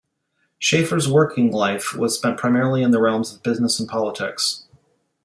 Schafer's working life was spent primarily in the realms of business and politics.